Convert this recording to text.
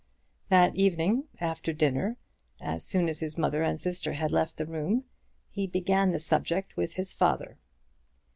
That evening, after dinner, as soon as his mother and sister had left the room, he began the subject with his father.